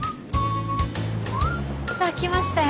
さあ来ましたよ。